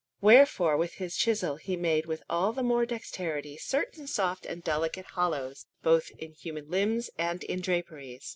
Wherefore with his chisel he made with all the more dexterity certain soft and delicate hollows, both in human limbs and in draperies.